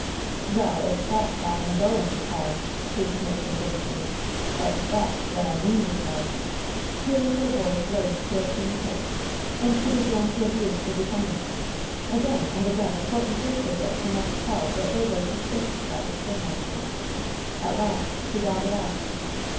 "Well, it's facts I am a going to tell," she sniffed indignantly. "It's facts that I mean to tell." Here her voice rose to a keen pitch, and she began to abuse the defendant. Again and again the court insisted that she must tell what there was suspicious about the school master. At last she got it out.